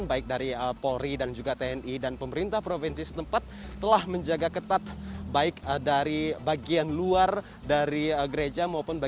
baik dari polri dan juga tni dan pemerintah provinsi setempat telah menjaga ketat baik dari bagian luar dari gereja